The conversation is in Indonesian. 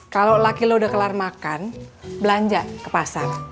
kalau lo udah habis makan belanja ke pasar